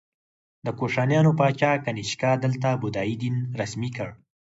د کوشانیانو پاچا کنیشکا دلته بودايي دین رسمي کړ